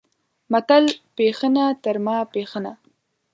متل، پښینه تر ماپښینه